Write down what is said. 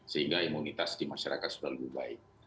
sehingga imunitas di masyarakat sudah lebih baik